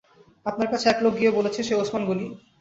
আপনার কাছে এক লোক গিয়ে বলেছে, সে ওসমান গনি।